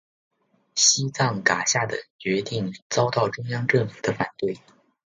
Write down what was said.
西藏噶厦的决定遭到中央政府的反对。